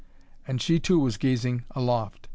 And she too was gazing aloft.